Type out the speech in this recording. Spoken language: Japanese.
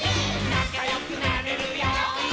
なかよくなれるよ。